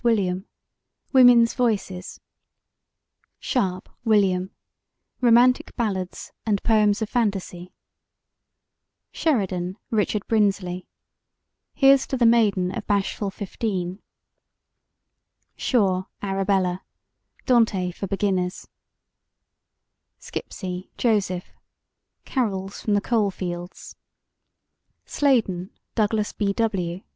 WILLIAM: Women's Voices SHARP, WILLIAM: Romantic Ballads and Poems of Phantasy SHERIDAN, RICHARD BRINSLEY: Here's to the Maiden of Bashful Fifteen SHORE, ARABELLA: Dante for Beginners SKIPSEY, JOSEPH: Carols from the Coal Fields SLADEN, DOUGLAS B. W.